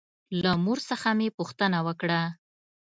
له مور څخه مې پوښتنه وکړه.